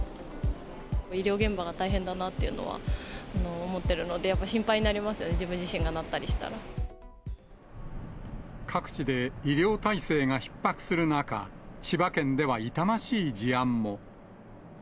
医療現場が大変だなっていうのは思ってるので、やっぱり心配になりますよね、各地で医療体制がひっ迫する中、千葉県では痛ましい事案も。